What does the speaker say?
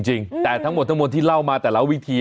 จริงแต่ทั้งหมดทั้งหมดที่เล่ามาแต่ละวิธี